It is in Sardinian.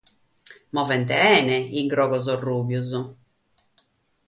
Movent bene sos grogu-rujos.